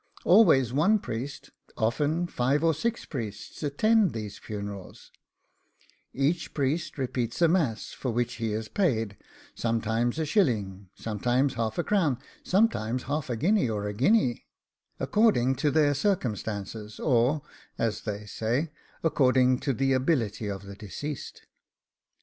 Always one priest, often five or six priests, attend these funerals; each priest repeats a mass, for which he is paid, sometimes a shilling, sometimes half a crown, sometimes half a guinea, or a guinea, according to their circumstances, or, as they say, according to the ability of the deceased.